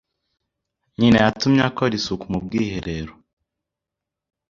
Nyina yatumye akora isuku mu bwiherero.